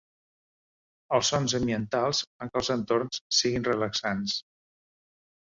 Els sons ambientals fan que els entorns siguin relaxants.